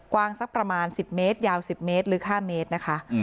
กว้างสักประมาณสิบเมตรยาวสิบเมตรหรือห้าเมตรนะคะ